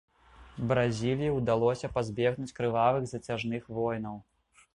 Бразіліі ўдалося пазбегнуць крывавых зацяжных войнаў.